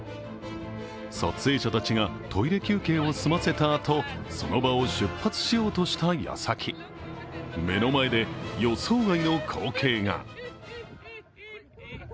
撮影者たちがトイレ休憩を済ませたあと、その場を出発しようとした矢先、目の前で予想外の光景が。